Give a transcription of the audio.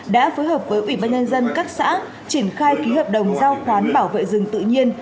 đã phối hợp với ủy ban nhân dân các xã triển khai ký hợp đồng giao khoán bảo vệ rừng tự nhiên